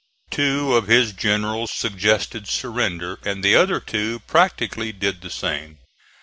Two of his generals suggested surrender, and the other two practically did the same.